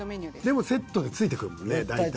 でもセットで付いてくるもんね大体。